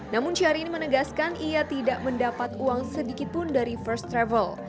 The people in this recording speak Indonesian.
namun syahrini menegaskan ia tidak mendapat uang sedikitpun dari first travel